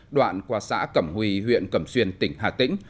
đoạn qua xã cẩm huy huyện cẩm xuyên tỉnh hà tĩnh